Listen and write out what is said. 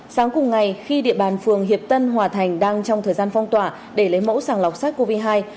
sáng cùng ngày khi địa bàn phường hiệp tân hòa thành đang trong thời gian phong tỏa để lấy mẫu sàng lọc sars cov hai